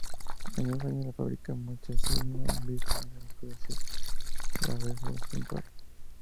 El mismo año, la fábrica Musashino Beer comienza a producir la cerveza Suntory.